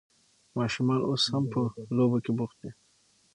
ماشومان اوس هم په لوبو کې بوخت دي.